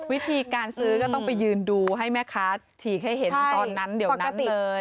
วิธีการซื้อก็ต้องไปยืนดูให้แม่ค้าฉีกให้เห็นตอนนั้นเดี๋ยวนั้นเลย